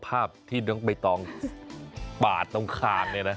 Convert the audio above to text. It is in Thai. ภาพที่น้องใบตองปาดตรงคางเนี่ยนะ